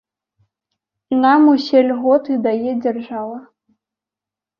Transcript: Нам усе льготы дае дзяржава.